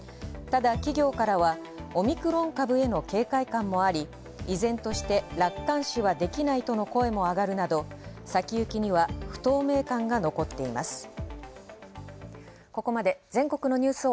ただ、企業からはオミクロン株への警戒感もあり、依然として楽観視はできないとの声も上がるなど、先行きには不透明感が残っています。